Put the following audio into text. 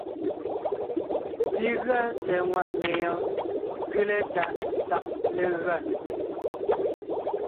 Pi gʉa tsɛ̀ɛ ŋwàʼne yɔɔn ńkẅile tàʼ sag legʉa.